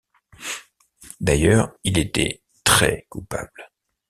D’ailleurs, il était très-coupable.